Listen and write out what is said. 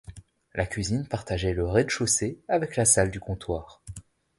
La cuisine partageait le rez-de-chaussée avec la salle du comptoir.